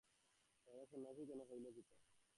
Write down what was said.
রাজা সন্ন্যাসী কেন হইল পিতা?